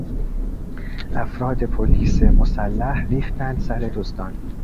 افراد پلیس مسلح ریختند سر دزدان.